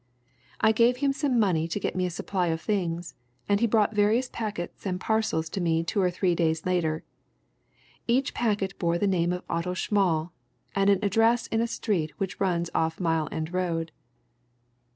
I gave him some money to get me a supply of things, and he brought various packets and parcels to me two or three days later. Each packet bore the name of Otto Schmall, and an address in a street which runs off Mile End Road.